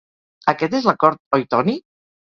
Aquest és l'acord, oi Toni?